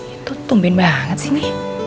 itu tumbin banget sih ini